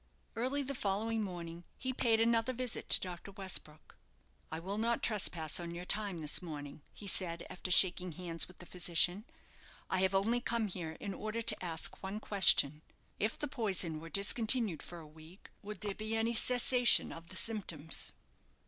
Early the following morning he paid another visit to Dr. Westbrook. "I will not trespass on your time this morning," he said, after shaking hands with the physician. "I have only come here in order to ask one question. If the poison were discontinued for a week, would there be any cessation of the symptoms?"